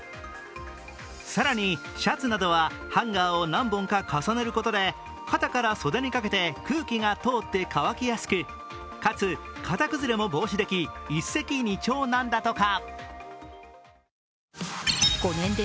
更に、シャツなどはハンガーを何本か重ねることで肩から袖にかけて空気が通って乾きやすくかつ型崩れも防止でき、一石二鳥なんだとか。